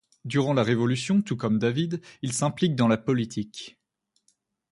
Durant la Révolution, tout comme David, il s'implique dans la politique.